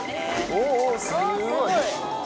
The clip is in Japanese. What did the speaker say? おぉおぉすごい。